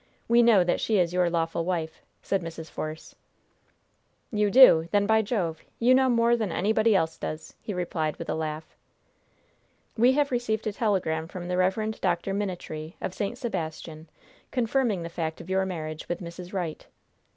We know that she is your lawful wife," said Mrs. Force. "You do! Then, by Jove, you know more than anybody else does!" he replied, with a laugh. "We have received a telegram from the Rev. Dr. Minitree, of St. Sebastian, confirming the fact of your marriage with Mrs. Wright."